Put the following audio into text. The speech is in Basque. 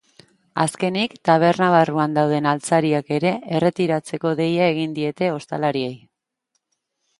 Azkenik, taberna barruan dauden altzariak ere erretiratzeko deia egin diete ostalariei.